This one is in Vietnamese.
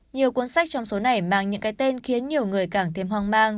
nhiều cuốn sách trong số này mang những cái tên khiến nhiều người càng thêm hoang mang